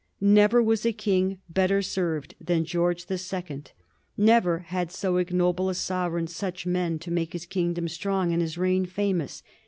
Never was a king better served than George the Sec ond I never had so ignoble a sovereign such men to make his kingdom strong and his reign famous.